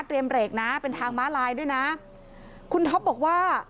เบรกนะเป็นทางม้าลายด้วยนะคุณท็อปบอกว่า